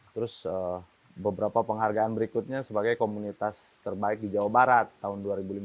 terus beberapa penghargaan berikutnya sebagai komunitas terbaik di jawa barat tahun dua ribu lima belas